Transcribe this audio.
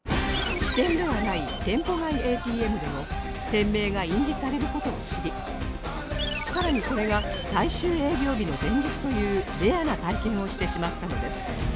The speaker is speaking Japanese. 支店ではない店舗外 ＡＴＭ でも店名が印字される事を知りさらにそれが最終営業日の前日というレアな体験をしてしまったのです